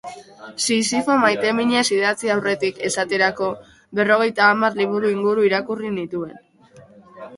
Sisifo maiteminez idatzi aurretik, esaterako, berrogeita hamar liburu inguru irakurri nituen.